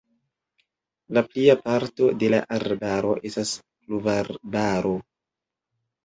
La plia parto de la arbaro estas pluvarbaro.